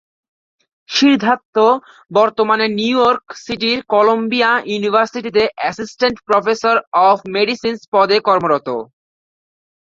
সিদ্ধার্থ বর্তমানে New York সিটির Columbia ইউনিভার্সিটিতে 'অ্যাসিস্ট্যান্ট প্রফেসর অফ মেডিসিন' পদে কর্মরত।